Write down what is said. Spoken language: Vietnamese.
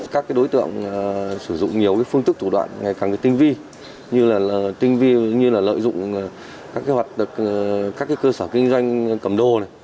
các đối tượng sử dụng nhiều phương tức thủ đoạn ngày càng tinh vi như lợi dụng các cơ sở kinh doanh cầm đồ